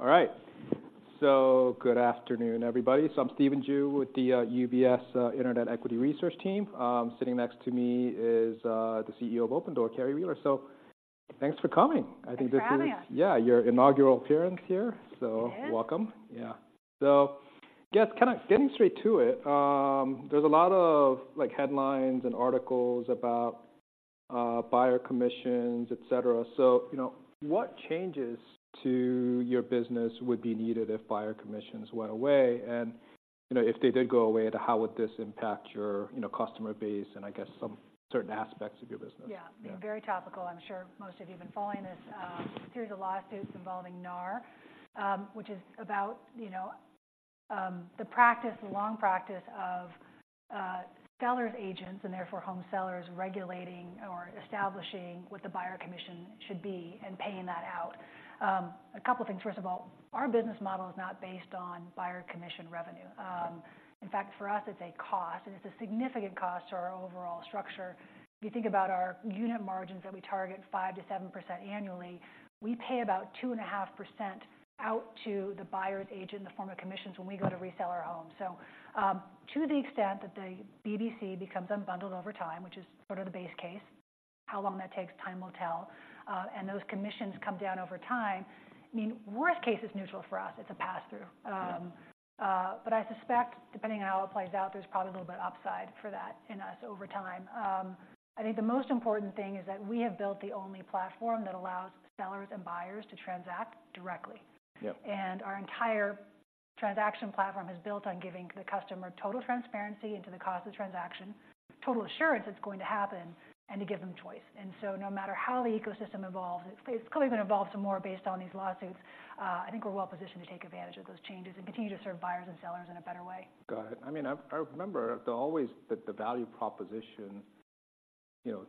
All right. Good afternoon, everybody. I'm Stephen Ju with the UBS Internet Equity Research Team. Sitting next to me is the CEO of Opendoor, Carrie Wheeler. Thanks for coming. Thanks for having us. I think this is, yeah, your inaugural appearance here. It is. Welcome. Yeah. Just kind of getting straight to it, there's a lot of, like, headlines and articles about buyer commissions, et cetera. You know, what changes to your business would be needed if buyer commissions went away? And, you know, if they did go away, how would this impact your, you know, customer base and, I guess, some certain aspects of your business? Yeah. Yeah. Very topical. I'm sure most of you have been following this, series of lawsuits involving NAR, which is about, you know, the practice, the long practice of, sellers' agents and therefore home sellers regulating or establishing what the buyer commission should be and paying that out. A couple of things. First of all, our business model is not based on buyer commission revenue. In fact, for us, it's a cost, and it's a significant cost to our overall structure. If you think about our unit margins that we target, 5%-7% annually, we pay about 2.5% out to the buyer's agent in the form of commissions when we go to resell our home. So, to the extent that the BBC becomes unbundled over time, which is sort of the base case, how long that takes, time will tell. And those commissions come down over time, I mean, worst case, it's neutral for us. It's a pass-through. Yeah. I suspect, depending on how it plays out, there's probably a little bit upside for that in the U.S. over time. I think the most important thing is that we have built the only platform that allows sellers and buyers to transact directly. Yeah. Our entire transaction platform is built on giving the customer total transparency into the cost of transaction, total assurance it's going to happen, and to give them choice. So no matter how the ecosystem evolves, it's going to even evolve some more based on these lawsuits, I think we're well positioned to take advantage of those changes and continue to serve buyers and sellers in a better way. Got it. I mean, I remember that the value proposition, you know,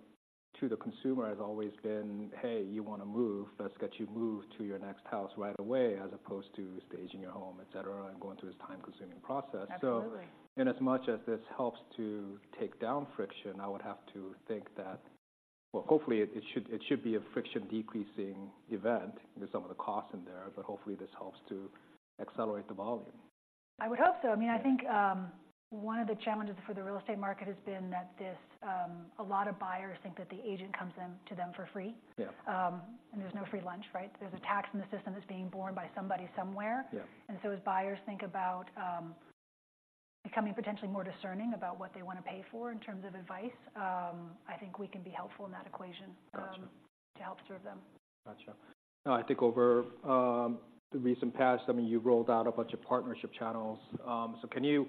to the consumer has always been, "Hey, you wanna move? Let's get you moved to your next house right away," as opposed to staging your home, et cetera, and going through this time-consuming process. Absolutely. So inasmuch as this helps to take down friction, I would have to think that. Well, hopefully, it should, it should be a friction-decreasing event. There's some of the costs in there, but hopefully, this helps to accelerate the volume. I would hope so. Yeah. I mean, I think, one of the challenges for the real estate market has been that this, a lot of buyers think that the agent comes in to them for free. Yeah. There's no free lunch, right? There's a tax in the system that's being borne by somebody somewhere. Yeah. As buyers think about becoming potentially more discerning about what they want to pay for in terms of advice, I think we can be helpful in that equation- Got you. to help serve them. Got you. I think over the recent past, I mean, you've rolled out a bunch of partnership channels. So can you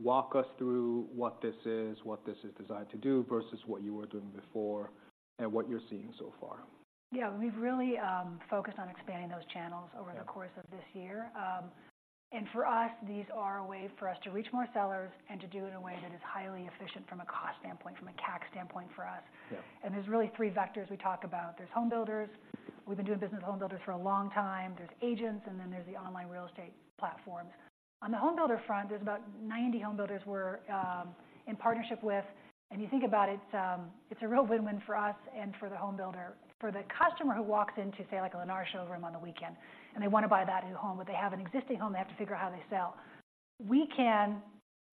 walk us through what this is, what this is designed to do, versus what you were doing before and what you're seeing so far? Yeah. We've really focused on expanding those channels- Yeah Over the course of this year. For us, these are a way for us to reach more sellers and to do it in a way that is highly efficient from a cost standpoint, from a CAC standpoint for us. Yeah. There's really three vectors we talk about. There's homebuilders. We've been doing business with homebuilders for a long time. There's agents, and then there's the online real estate platforms. On the homebuilder front, there's about 90 homebuilders we're in partnership with. And you think about it, it's a real win-win for us and for the homebuilder. For the customer who walks into, say, like, a Lennar showroom on the weekend, and they want to buy that new home, but they have an existing home, they have to figure out how they sell. We can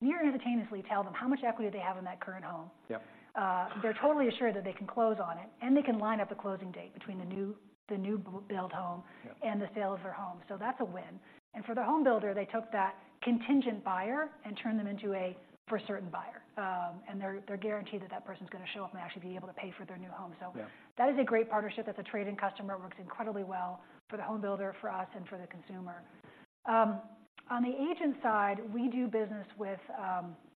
near instantaneously tell them how much equity they have in that current home. Yeah. They're totally assured that they can close on it, and they can line up a closing date between the new built home. Yeah And the sale of their home. So that's a win. And for the homebuilder, they took that contingent buyer and turned them into a for-certain buyer, and they're guaranteed that that person's going to show up and actually be able to pay for their new home. Yeah. So that is a great partnership. That's a trade-in customer, works incredibly well for the homebuilder, for us, and for the consumer. On the agent side, we do business with,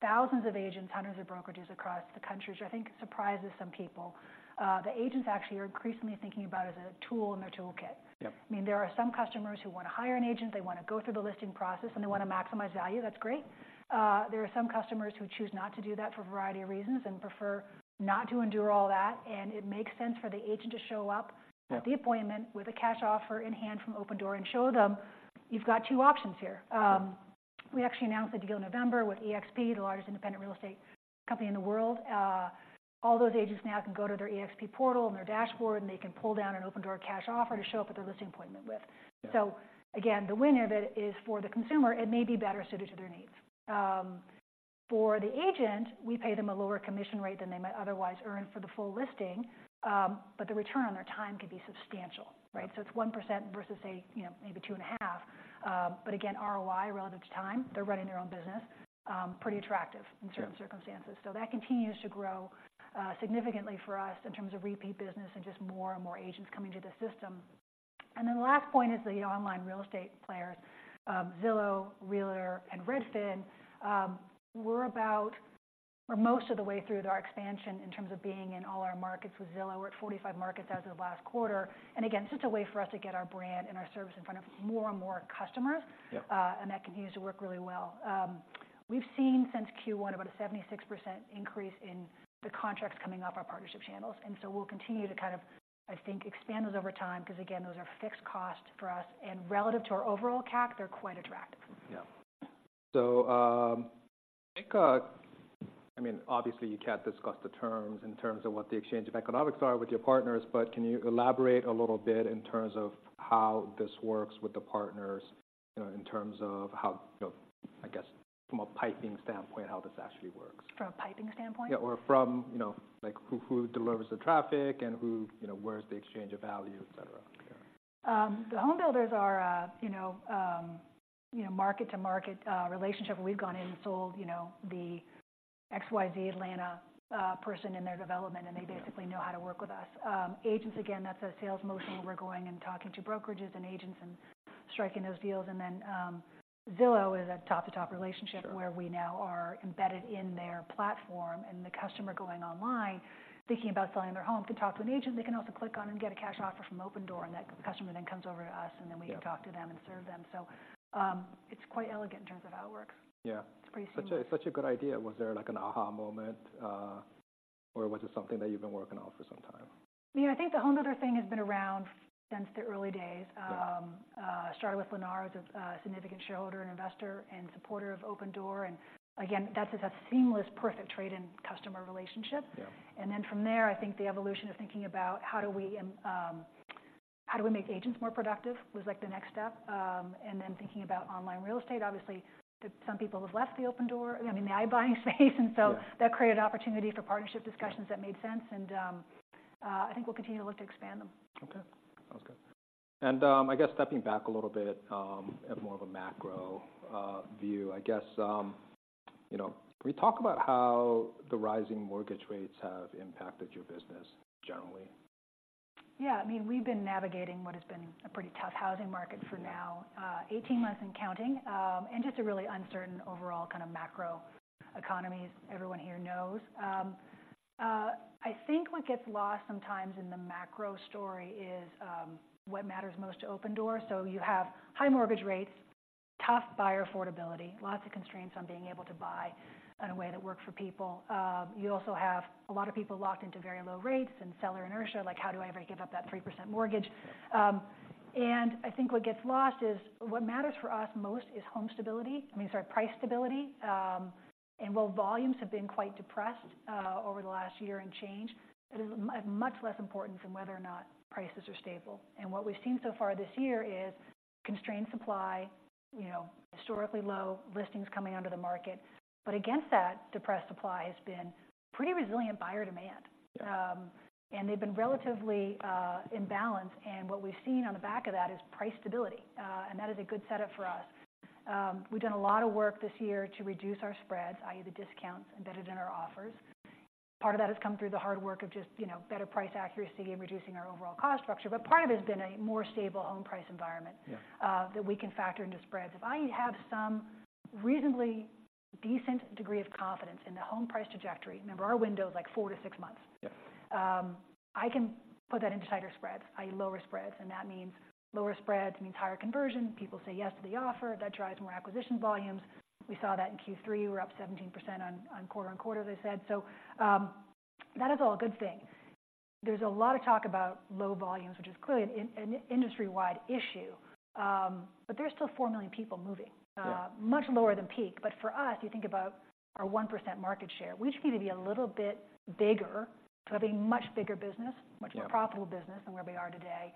thousands of agents, hundreds of brokerages across the country, which I think surprises some people. The agents actually are increasingly thinking about it as a tool in their toolkit. Yep. I mean, there are some customers who want to hire an agent, they want to go through the listing process, and they want to maximize value. That's great. There are some customers who choose not to do that for a variety of reasons and prefer not to endure all that, and it makes sense for the agent to show up- Yeah At the appointment with a cash offer in hand from Opendoor and show them, "You've got two options here." We actually announced the deal in November with eXp, the largest independent real estate company in the world. All those agents now can go to their eXp portal and their dashboard, and they can pull down an Opendoor cash offer to show up at their listing appointment with. Yeah. So again, the win of it is for the consumer, it may be better suited to their needs. For the agent, we pay them a lower commission rate than they might otherwise earn for the full listing, but the return on their time could be substantial, right? Yeah. So it's 1% versus a, you know, maybe 2.5. But again, ROI, relative to time, they're running their own business, pretty attractive Yeah in certain circumstances. So that continues to grow significantly for us in terms of repeat business and just more and more agents coming to the system. And then the last point is the online real estate players, Zillow, Realtor, and Redfin. We're about or most of the way through with our expansion in terms of being in all our markets. With Zillow, we're at 45 markets as of last quarter. And again, it's just a way for us to get our brand and our service in front of more and more customers. Yeah. And that continues to work really well. We've seen since Q1 about a 76% increase in the contracts coming off our partnership channels, and so we'll continue to kind of, I think, expand those over time because, again, those are fixed costs for us, and relative to our overall CAC, they're quite attractive. Yeah. So, I think, I mean, obviously, you can't discuss the terms in terms of what the exchange of economics are with your partners, but can you elaborate a little bit in terms of how this works with the partners, you know, in terms of how, you know, I guess from a piping standpoint, how this actually works? From a piping standpoint? Yeah, or from, you know, like, who, who delivers the traffic and who, you know, where's the exchange of value, et cetera? Yeah. The home builders are, you know, you know, market-to-market relationship, where we've gone in and sold, you know, the XYZ Atlanta person in their development, and they basically. Yeah Know how to work with us. Agents, again, that's a sales motion where we're going and talking to brokerages and agents and striking those deals. And then, Zillow is a top-to-top relationship. Sure Where we now are embedded in their platform, and the customer going online, thinking about selling their home, can talk to an agent. They can also click on and get a cash offer from Opendoor, and that customer then comes over to us, and then we- Yeah - can talk to them and serve them. So, it's quite elegant in terms of how it works. Yeah. It's pretty simple. Such a good idea. Was there, like, an aha moment, or was it something that you've been working on for some time? You know, I think the homebuilder thing has been around since the early days. Yeah. Started with Lennar as a significant shareholder and investor and supporter of Opendoor. And again, that's just a seamless, perfect trade-in customer relationship. Yeah. And then from there, I think the evolution of thinking about how do we, how do we make agents more productive was, like, the next step. And then thinking about online real estate, obviously, some people have left the Opendoor, I mean, the iBuying space and so Yeah That created opportunity for partnership discussions- Yeah - that made sense. And, I think we'll continue to look to expand them. Okay, sounds good. And I guess stepping back a little bit, at more of a macro view, I guess, you know, can you talk about how the rising mortgage rates have impacted your business generally? Yeah. I mean, we've been navigating what has been a pretty tough housing market for now, 18 months and counting. And just a really uncertain overall kind of macro economies, everyone here knows. I think what gets lost sometimes in the macro story is, what matters most to Opendoor. So you have high mortgage rates, tough buyer affordability, lots of constraints on being able to buy in a way that works for people. You also have a lot of people locked into very low rates and seller inertia, like, "How do I ever give up that 3% mortgage?" And I think what gets lost is what matters for us most is home stability. I mean, sorry, price stability. While volumes have been quite depressed over the last year and change, it is much less important than whether or not prices are stable. What we've seen so far this year is constrained supply, you know, historically low listings coming onto the market. Against that, depressed supply has been pretty resilient buyer demand. Yeah. And they've been relatively in balance, and what we've seen on the back of that is price stability, and that is a good setup for us. We've done a lot of work this year to reduce our spreads, i.e., the discounts embedded in our offers. Part of that has come through the hard work of just, you know, better price accuracy and reducing our overall cost structure. But part of it has been a more stable home price environment- Yeah That we can factor into spreads. If I have some reasonably decent degree of confidence in the home price trajectory, remember, our window is, like, four-six months Yeah I can put that into tighter spreads, i.e., lower spreads, and that means lower spreads means higher conversion. People say yes to the offer. That drives more acquisition volumes. We saw that in Q3. We were up 17% on quarter-on-quarter, as I said. So, that is all a good thing. There's a lot of talk about low volumes, which is clearly an industry-wide issue. But there are still 4 million people moving. Yeah. Much lower than peak, but for us, you think about our 1% market share, we just need to be a little bit bigger to have a much bigger business Yeah Much more profitable business than where we are today.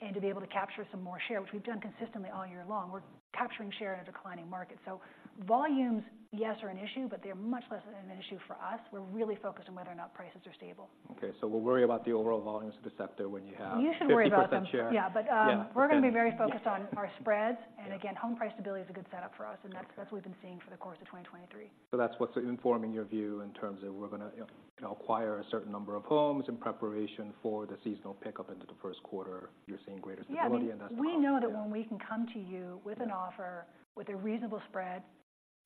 And to be able to capture some more share, which we've done consistently all year long. We're capturing share in a declining market. So volumes, yes, are an issue, but they're much less of an issue for us. We're really focused on whether or not prices are stable. Okay, so we'll worry about the overall volumes of the sector when you have You should worry about them. 50% share. Yeah, but, Yeah We're gonna be very focused on our spreads. Yeah. And again, home price stability is a good setup for us, and that's what we've been seeing for the course of 2023. So that's what's informing your view in terms of we're gonna, you know, acquire a certain number of homes in preparation for the seasonal pickup into the first quarter. You're seeing greater stability, and that's- Yeah, I mean, we know that when we can come to you with an offer, with a reasonable spread,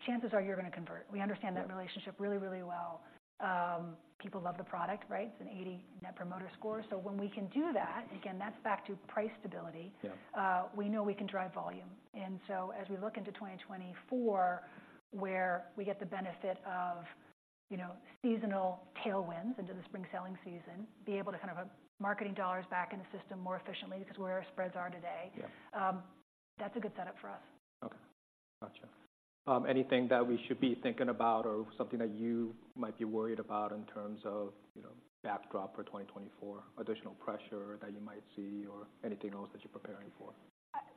chances are you're gonna convert. Yeah. We understand that relationship really, really well. People love the product, right? It's an 80 Net Promoter Score. So when we can do that, again, that's back to price stability. Yeah. We know we can drive volume. And so as we look into 2024, where we get the benefit of, you know, seasonal tailwinds into the spring selling season, be able to kind of put marketing dollars back in the system more efficiently because of where our spreads are today. Yeah. That's a good setup for us. Okay. Gotcha. Anything that we should be thinking about or something that you might be worried about in terms of, you know, backdrop for 2024, additional pressure that you might see, or anything else that you're preparing for?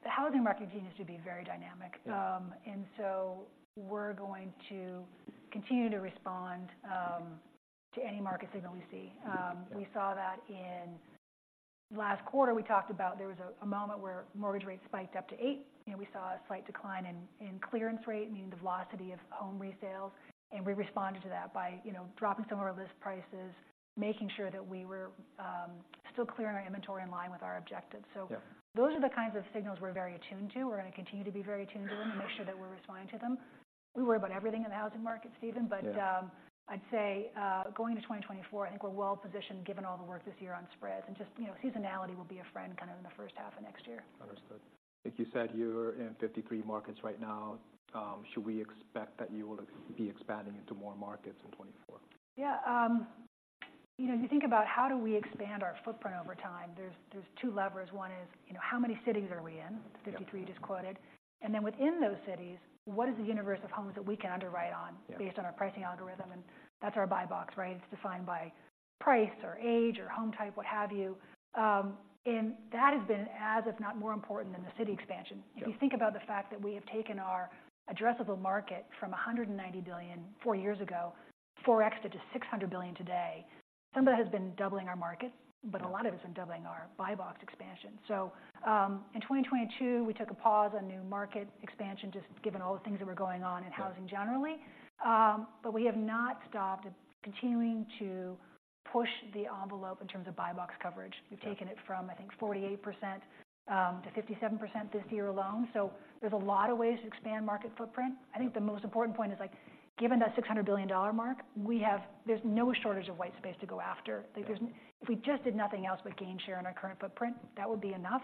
The housing market continues to be very dynamic. Yeah. And so we're going to continue to respond to any market signal we see. Yeah. We saw that in last quarter. We talked about there was a moment where mortgage rates spiked up to 8%, and we saw a slight decline in clearance rate, meaning the velocity of home resales. We responded to that by, you know, dropping some of our list prices, making sure that we were still clearing our inventory in line with our objectives. Yeah. So those are the kinds of signals we're very attuned to. We're gonna continue to be very attuned to them and make sure that we're responding to them. We worry about everything in the housing market, Stephen. Yeah. I'd say, going to 2024, I think we're well-positioned, given all the work this year on spreads and just, you know, seasonality will be a friend kind of in the first half of next year. Understood. I think you said you're in 53 markets right now. Should we expect that you will be expanding into more markets next year? Yeah, you know, if you think about how do we expand our footprint over time, there's two levers. One is, you know, how many cities are we in? Yeah. 53, you just quoted. And then within those cities, what is the universe of homes that we can underwrite on- Yeah. -based on our pricing algorithm? And that's our Buy Box, right? It's defined by price, or age, or home type, what have you. And that has been as, if not more important than the city expansion. Yeah. If you think about the fact that we have taken our addressable market from $190 billion four years ago, 4x it to $600 billion today, some of that has been doubling our market Yeah. But a lot of it has been doubling our Buy Box expansion. So, in 2022, we took a pause on new market expansion, just given all the things that were going on in housing generally. Yeah. But we have not stopped continuing to push the envelope in terms of Buy Box coverage. Yeah. We've taken it from, I think, 48% to 57% this year alone. So there's a lot of ways to expand market footprint. I think the most important point is, like, given that $600 billion mark, we have, there's no shortage of white space to go after. Yeah. Like, there's if we just did nothing else but gain share in our current footprint, that would be enough.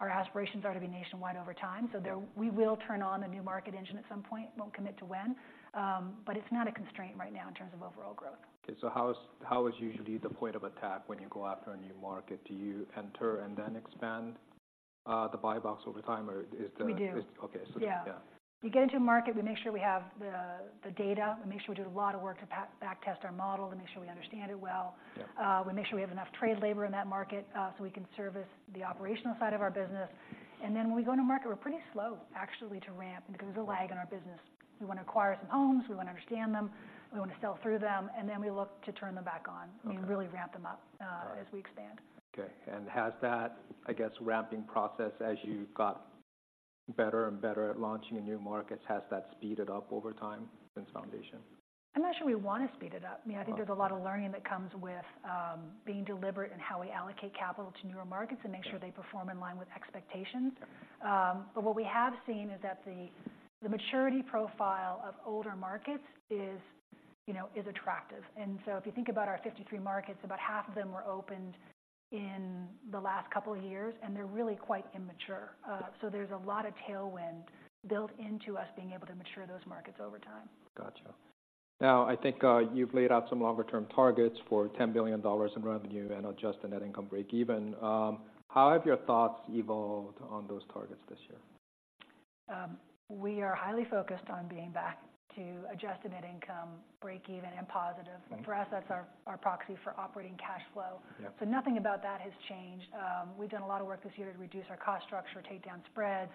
Our aspirations are to be nationwide over time. Yeah. So there, we will turn on a new market engine at some point. Won't commit to when, but it's not a constraint right now in terms of overall growth. Okay, so how is usually the point of attack when you go after a new market? Do you enter and then expand the Buy Box over time? Or is the- We do. Okay. Yeah. So, yeah. We get into a market, we make sure we have the data. We make sure we do a lot of work to backtest our model to make sure we understand it well. Yeah. We make sure we have enough trade labor in that market, so we can service the operational side of our business. And then when we go into market, we're pretty slow actually, to ramp because there's- Sure. a lag in our business. We want to acquire some homes, we want to understand them, we want to sell through them, and then we look to turn them back on. Okay. -and really ramp them up, as we expand. Okay. And has that, I guess, ramping process, as you've got better and better at launching in new markets, has that speeded up over time since foundation? I'm not sure we want to speed it up. Okay. I mean, I think there's a lot of learning that comes with, being deliberate in how we allocate capital to newer markets- Yeah. and make sure they perform in line with expectations. Okay. But what we have seen is that the maturity profile of older markets is, you know, is attractive. And so if you think about our 53 markets, about half of them were opened in the last couple of years, and they're really quite immature. So there's a lot of tailwind built into us being able to mature those markets over time. Gotcha. Now, I think, you've laid out some longer term targets for $10 billion in revenue and adjusted net income break even. How have your thoughts evolved on those targets this year? We are highly focused on being back to Adjusted Net Income break-even and positive. Mm-hmm. For us, that's our proxy for operating cash flow. Yeah. So nothing about that has changed. We've done a lot of work this year to reduce our cost structure, take down spreads,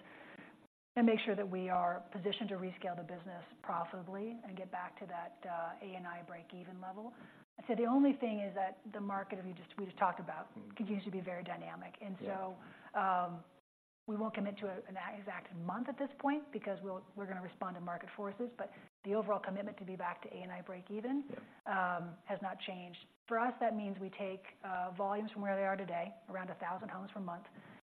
and make sure that we are positioned to rescale the business profitably and get back to that, ANI break-even level. I'd say the only thing is that the market, we just talked about- Mm. continues to be very dynamic. Yeah. So, we won't commit to an exact month at this point because we're going to respond to market forces. But the overall commitment to be back to ANI break-even. Yeah Has not changed. For us, that means we take volumes from where they are today, around 1,000 homes per month,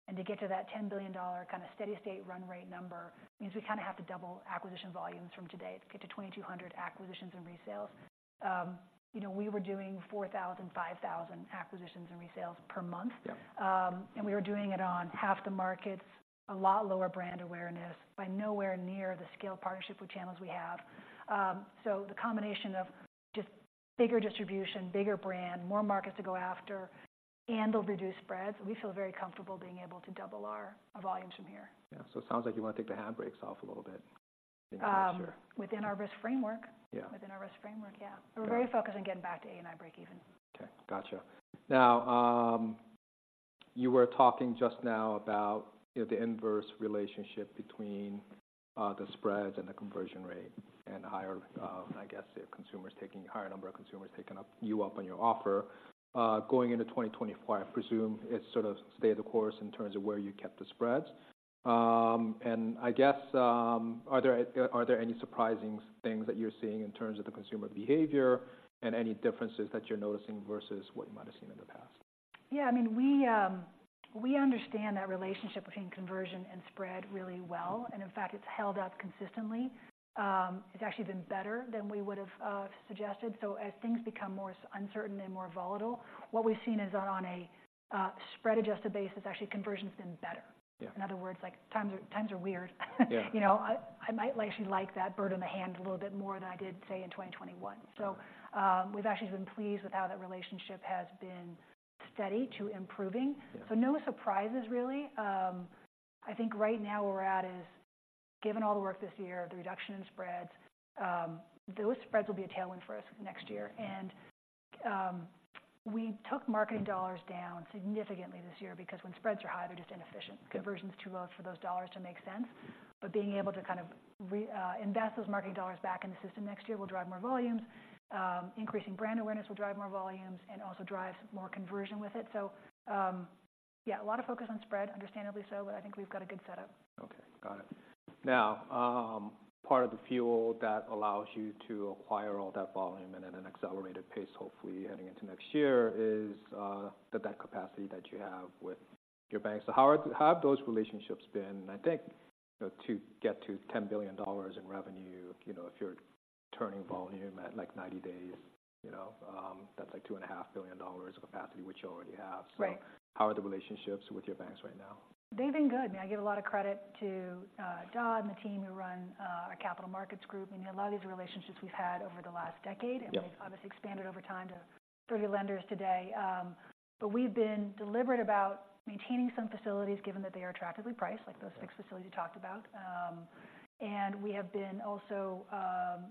and to get to that $10 billion kind of steady state run rate number, means we kind of have to double acquisition volumes from today to get to 2,200 acquisitions and resales. You know, we were doing 4,000, 5,000 acquisitions and resales per month. Yeah. And we were doing it on half the markets, a lot lower brand awareness, but nowhere near the scale partnership with channels we have. So the combination of just bigger distribution, bigger brand, more markets to go after, and the reduced spreads, we feel very comfortable being able to double our, our volumes from here. Yeah. It sounds like you want to take the handbrakes off a little bit next year. Within our risk framework. Yeah. Within our risk framework, yeah. Yeah. We're very focused on getting back to ANI break even. Okay, gotcha. Now, you were talking just now about, you know, the inverse relationship between the spreads and the conversion rate, and higher, I guess, if consumers taking—a higher number of consumers taking you up on your offer. Going into 2024, I presume it's sort of stay the course in terms of where you kept the spreads. And I guess, are there any surprising things that you're seeing in terms of the consumer behavior and any differences that you're noticing versus what you might have seen in the past? Yeah, I mean, we, we understand that relationship between conversion and spread really well, and in fact, it's held up consistently. It's actually been better than we would've suggested. So as things become more uncertain and more volatile, what we've seen is on a spread adjusted basis, actually, conversion's been better. Yeah. In other words, like, times are, times are weird. Yeah. You know, I might actually like that bird in the hand a little bit more than I did, say, in 2021. Yeah. We've actually been pleased with how that relationship has been steady to improving. Yeah. No surprises, really. I think right now where we're at is, given all the work this year, the reduction in spreads, those spreads will be a tailwind for us next year. And we took marketing dollars down significantly this year, because when spreads are high, they're just inefficient. Yeah. Conversion is too low for those dollars to make sense. But being able to kind of reinvest those marketing dollars back in the system next year will drive more volumes. Increasing brand awareness will drive more volumes and also drive more conversion with it. So, yeah, a lot of focus on spread, understandably so, but I think we've got a good setup. Okay, got it. Now, part of the fuel that allows you to acquire all that volume and at an accelerated pace, hopefully heading into next year, is the debt capacity that you have with your banks. So how have those relationships been? I think, you know, to get to $10 billion in revenue, you know, if you're turning volume at, like, 90 days, you know, that's like $2.5 billion of capacity, which you already have. Right. How are the relationships with your banks right now? They've been good. I mean, I give a lot of credit to Don and the team who run our capital markets group. I mean, a lot of these relationships we've had over the last decade. Yep. We've obviously expanded over time to 30 lenders today. But we've been deliberate about maintaining some facilities, given that they are attractively priced, like those fixed facilities you talked about. And we have been also,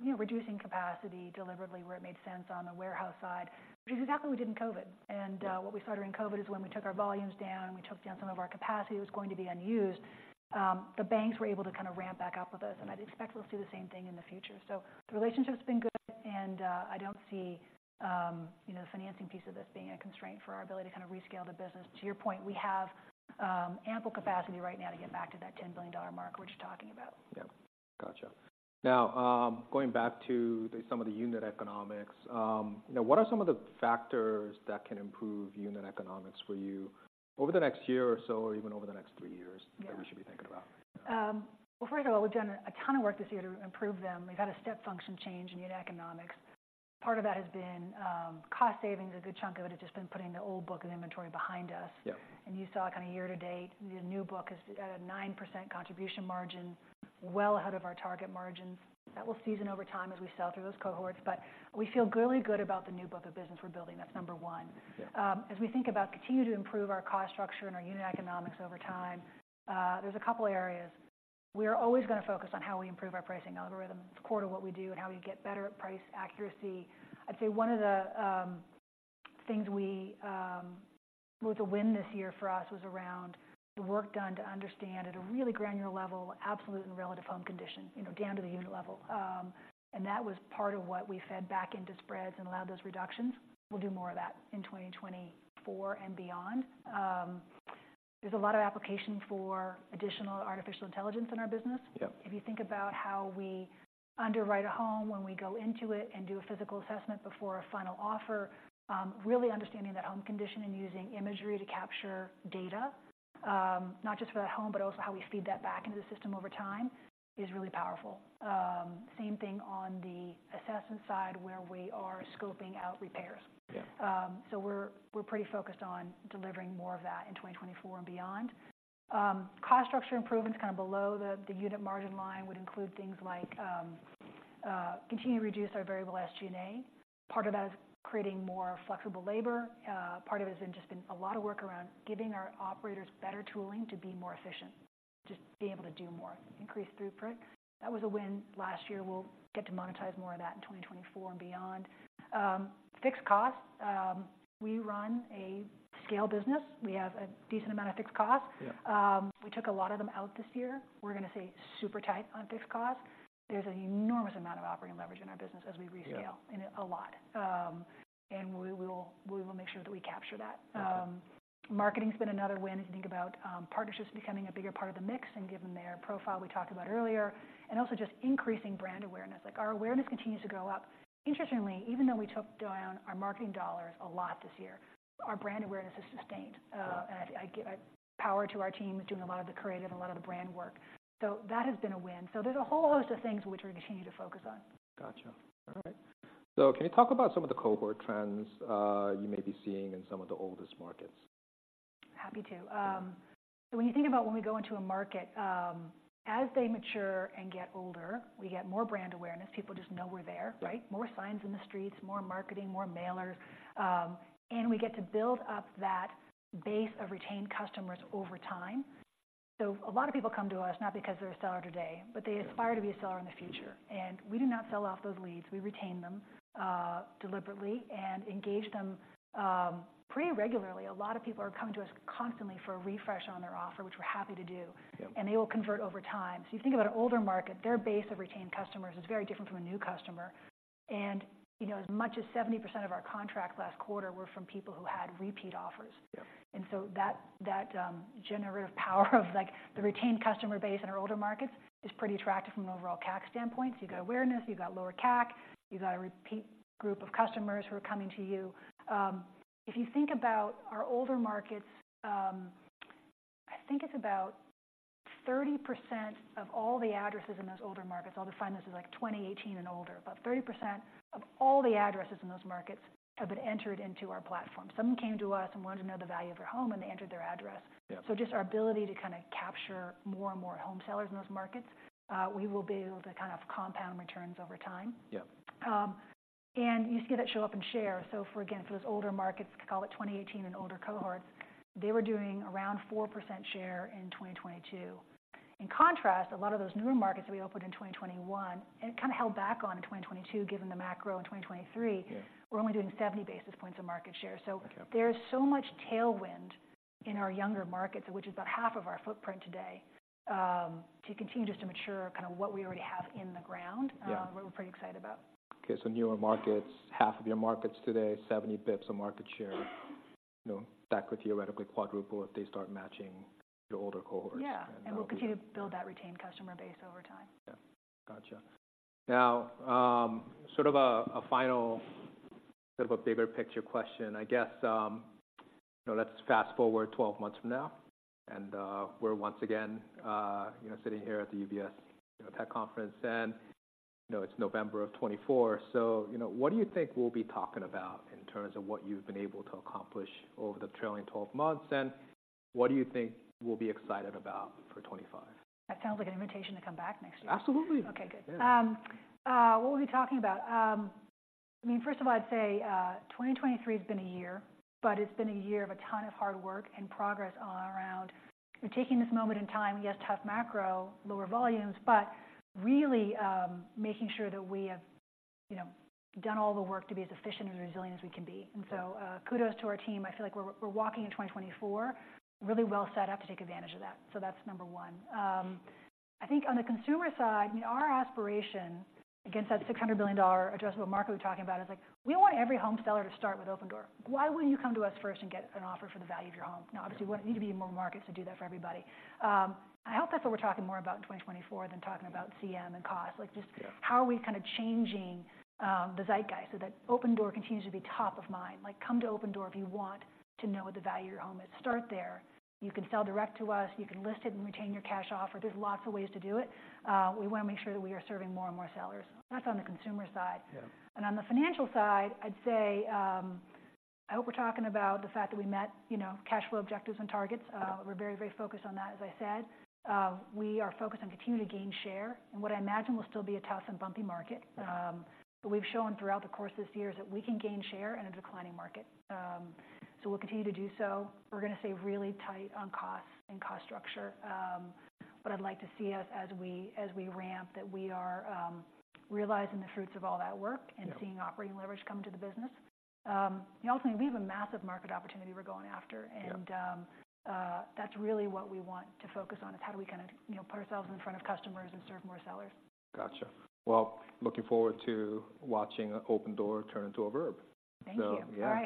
you know, reducing capacity deliberately where it made sense on the warehouse side, which is exactly what we did in COVID. What we started in COVID is when we took our volumes down, we took down some of our capacity that was going to be unused, the banks were able to kind of ramp back up with us, and I'd expect we'll see the same thing in the future. The relationship's been good, and I don't see, you know, the financing piece of this being a constraint for our ability to kind of rescale the business. To your point, we have ample capacity right now to get back to that $10 billion mark, which you're talking about. Yeah. Gotcha. Now, going back to some of the unit economics. You know, what are some of the factors that can improve unit economics for you over the next year or so, or even over the next three years? Yeah that we should be thinking about? Well, first of all, we've done a ton of work this year to improve them. We've had a step function change in unit economics. Part of that has been, cost savings. A good chunk of it has just been putting the old book of inventory behind us. Yep. You saw kind of year to date, the new book is at a 9% contribution margin, well ahead of our target margins. That will season over time as we sell through those cohorts, but we feel really good about the new book of business we're building. That's number one. Yeah. As we think about continuing to improve our cost structure and our unit economics over time, there's a couple of areas. We are always gonna focus on how we improve our pricing algorithm. It's core to what we do and how we get better at price accuracy. I'd say one of the things we was a win this year for us, was around the work done to understand at a really granular level, absolute and relative home condition, you know, down to the unit level. And that was part of what we fed back into spreads and allowed those reductions. We'll do more of that in 2024 and beyond. There's a lot of application for additional artificial intelligence in our business. Yep. If you think about how we underwrite a home when we go into it and do a physical assessment before a final offer, really understanding that home condition and using imagery to capture data, not just for that home, but also how we feed that back into the system over time is really powerful. Same thing on the assessment side, where we are scoping out repairs. Yeah. So we're, we're pretty focused on delivering more of that in 2024 and beyond. Cost structure improvements, kind of below the, the unit margin line, would include things like, continuing to reduce our variable SG&A. Part of that is creating more flexible labor. Part of it has just been a lot of work around giving our operators better tooling to be more efficient, just be able to do more, increase throughput. That was a win last year. We'll get to monetize more of that in 2024 and beyond. Fixed costs, we run a scale business. We have a decent amount of fixed costs. Yeah. We took a lot of them out this year. We're gonna stay super tight on fixed costs. There's an enormous amount of operating leverage in our business as we rescale- Yeah A lot. We will make sure that we capture that. Okay. Marketing's been another win, if you think about, partnerships becoming a bigger part of the mix and given their profile we talked about earlier, and also just increasing brand awareness. Like, our awareness continues to go up. Interestingly, even though we took down our marketing dollars a lot this year, our brand awareness has sustained. Yeah. I give power to our team doing a lot of the creative and a lot of the brand work. That has been a win. There's a whole host of things which we're continuing to focus on. Gotcha. All right. So can you talk about some of the cohort trends you may be seeing in some of the oldest markets? Happy to. So when you think about when we go into a market, as they mature and get older, we get more brand awareness. People just know we're there, right? Yep. More signs in the streets, more marketing, more mailers, and we get to build up that base of retained customers over time. So a lot of people come to us, not because they're a seller today, but they Yeah Aspire to be a seller in the future. And we do not sell off those leads. We retain them deliberately and engage them pretty regularly. A lot of people are coming to us constantly for a refresh on their offer, which we're happy to do. Yep. They will convert over time. You think about an older market, their base of retained customers is very different from a new customer. You know, as much as 70% of our contracts last quarter were from people who had repeat offers. Yep. And so that generative power of, like, the retained customer base in our older markets is pretty attractive from an overall CAC standpoint. So you've got awareness, you've got lower CAC, you've got a repeat group of customers who are coming to you. If you think about our older markets, I think it's about 30% of all the addresses in those older markets, all the finances, like 2018 and older. About 30% of all the addresses in those markets have been entered into our platform. Someone came to us and wanted to know the value of their home, and they entered their address. Yeah. Just our ability to kind of capture more and more home sellers in those markets, we will be able to kind of compound returns over time. Yep. and you see that show up in share. So, again, for those older markets, call it 2018 and older cohorts, they were doing around 4% share in 2022. In contrast, a lot of those newer markets that we opened in 2021, and kind of held back on in 2022, given the macro in 2023 Yeah We're only doing 70 basis points of market share. Okay. So there is so much tailwind in our younger markets, which is about half of our footprint today, to continue just to mature kind of what we already have in the ground Yeah We're pretty excited about. Okay. So newer markets, half of your markets today, 70 basis points of market share. You know, that could theoretically quadruple if they start matching the older cohorts. Yeah. And We'll continue to build that retained customer base over time. Yeah. Gotcha. Now, sort of a final, sort of a bigger picture question, I guess. Now let's fast forward 12 months from now, and we're once again, you know, sitting here at the UBS Tech Conference, and, you know, it's November of 2024. So, you know, what do you think we'll be talking about in terms of what you've been able to accomplish over the trailing 12 months? And what do you think we'll be excited about for 2025? That sounds like an invitation to come back next year. Absolutely. Okay, good. Yeah. What were we talking about? I mean, first of all, I'd say, 2023 has been a year, but it's been a year of a ton of hard work and progress all around. We're taking this moment in time, yes, tough macro, lower volumes, but really, making sure that we have, you know, done all the work to be as efficient and resilient as we can be. Yeah. And so, kudos to our team. I feel like we're, we're walking in 2024 really well set up to take advantage of that. So that's number one. I think on the consumer side, I mean, our aspiration, against that $600 billion addressable market we're talking about, is like, we want every home seller to start with Opendoor. Why wouldn't you come to us first and get an offer for the value of your home? Yeah. Now, obviously, we need to be in more markets to do that for everybody. I hope that's what we're talking more about in 2024 than talking about CM and cost. Yeah. Like, just how are we kind of changing the zeitgeist so that Opendoor continues to be top of mind? Like, come to Opendoor if you want to know what the value of your home is. Start there. You can sell direct to us. You can list it and retain your cash offer. There's lots of ways to do it. We want to make sure that we are serving more and more sellers. That's on the consumer side. Yeah. On the financial side, I'd say, I hope we're talking about the fact that we met, you know, cash flow objectives and targets. Yeah. We're very, very focused on that. As I said, we are focused on continuing to gain share in what I imagine will still be a tough and bumpy market. Yeah. But we've shown throughout the course of this year is that we can gain share in a declining market. So we'll continue to do so. We're going to stay really tight on costs and cost structure. But I'd like to see us as we, as we ramp, that we are realizing the fruits of all that work. Yeah And seeing operating leverage come to the business. Ultimately, we have a massive market opportunity we're going after. Yeah. That's really what we want to focus on, is how do we kind of, you know, put ourselves in front of customers and serve more sellers. Gotcha. Well, looking forward to watching Opendoor turn into a verb. Thank you. So, yeah.